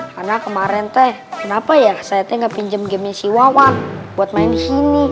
karena kemarin teh kenapa ya saya gak pinjam game si wawan buat main gini